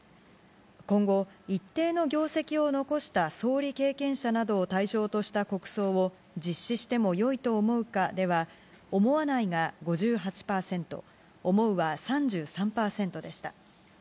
今後、一定の業績を残した総理経験者などを対象とした国葬を実施してもよいと思うかでは、思わないが５８％、思うは３３％でした。